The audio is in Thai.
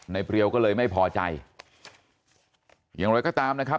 เปรียวก็เลยไม่พอใจอย่างไรก็ตามนะครับ